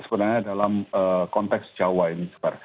sebenarnya dalam konteks jawa ini